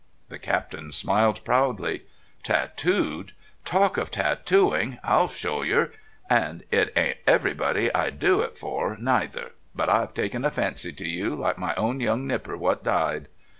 The Captain smiled proudly. "Tatooed! Talk of tatooing! I'll show yer and it isn't everybody I'd do it for neither. But I've taken a fancy to you, like my own young nipper what died."